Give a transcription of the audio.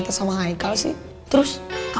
terusan mulut oh